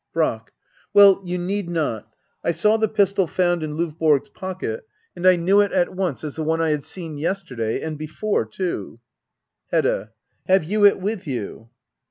Brack. Well, you need not. I saw the pistol found in Lovborg's pocket, and I knew it at once as the one I had seen yesterday — and before, too. Hedda. Have you it with you